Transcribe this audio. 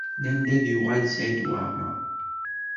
Nnan-d ad yuɣal Saɛid Waɛmaṛ.